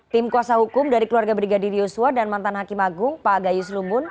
tim kuasa hukum dari keluarga brigadir yosua dan mantan hakim agung pak gayus lumbun